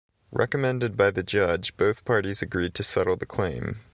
Recommended by the judge, both parties agreed to settle the claim.